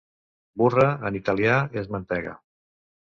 Burra, en italià, és mantega.